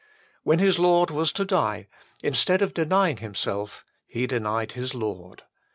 When his Lord was to die, instead of denying himself, he denied his Lord.